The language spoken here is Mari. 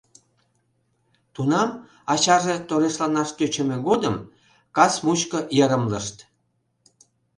Тунам, ачаже торешланаш тӧчымӧ годым, кас мучко йырымлышт.